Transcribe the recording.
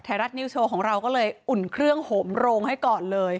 รัฐนิวโชว์ของเราก็เลยอุ่นเครื่องโหมโรงให้ก่อนเลย